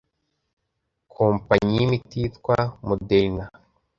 kompanyi y'imiti yitwa Moderna